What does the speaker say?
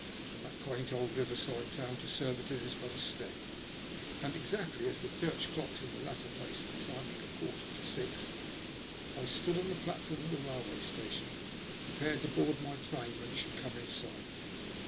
From that quaint old riverside town to Surbiton is but a step, and exactly as the church clocks in the latter place were chiming a quarter to six, I stood on the platform of the railway station prepared to board my train when it should come in sight.